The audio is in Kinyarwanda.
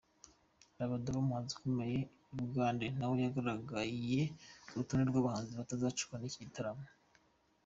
Rabadaba umuhanzi ukomeye i Bugande nawe yagaragaye kurutonde rw'abahanzi batazacikwa n'iki gitaramo.